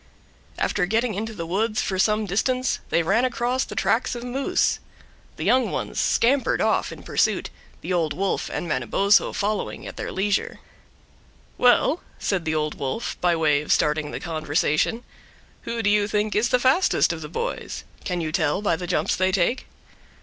After getting into the woods for some distance they ran across the tracks of moose. The young ones scampered off in pursuit, the Old Wolf and Manabozho following at their leisure. "Well," said the Old Wolf, by way of starting the conversation, "who do you think is the fastest of the boys? Can you tell by the jumps they take?"